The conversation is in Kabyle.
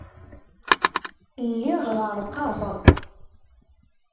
Lliɣ ɣerrqeɣ.